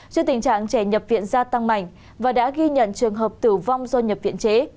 trước tình trạng trẻ nhập viện gia tăng mạnh và đã ghi nhận trường hợp tử vong do nhập viện chế